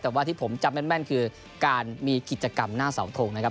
แต่ว่าที่ผมจำแม่นคือการมีกิจกรรมหน้าเสาทงนะครับ